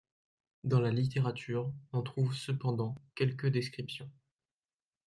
Dans la littérature, on trouve cependant quelques descriptions.